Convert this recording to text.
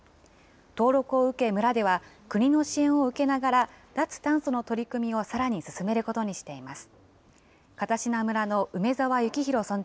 登録を受け、村では国の支援を受けながら、脱炭素の取り組みをさらに進めることにしています。